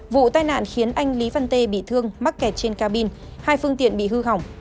vụ tai nạn khiến anh lý văn tê bị thương mắc kẹt trên cabin hai phương tiện bị hư hỏng